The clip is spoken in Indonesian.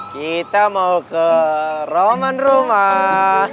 kita mau ke roman rumah